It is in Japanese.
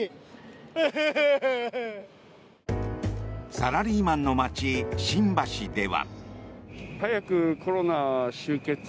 サラリーマンの街新橋では。